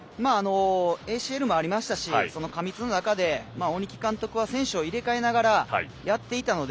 ＡＣＬもありましたし過密の中で鬼木監督は選手を入れ替えながらやっていたので